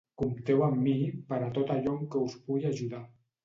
Compteu amb mi per a tot allò en què us pugui ajudar.